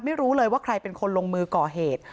ไม่รู้เลยว่าใครเป็นคนลงมือก่อเหตุ